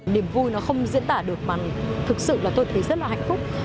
niềm vui nó không diễn tả được mà thực sự là tôi thấy rất là hạnh phúc